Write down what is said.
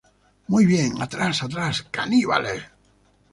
¡ Muy bien, atrás! ¡ atrás, caníbales!